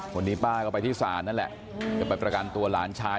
วันนี้ป้าก็ไปที่ศาลนั่นแหละจะไปประกันตัวหลานชาย